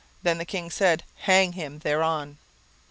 Then the king said, Hang him thereon.